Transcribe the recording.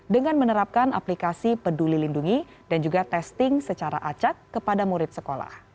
dengan menerapkan aplikasi peduli lindungi dan juga testing secara acak kepada murid sekolah